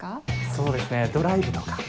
そうですねドライブとか。